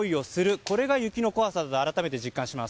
これが雪の怖さだと改めて実感します。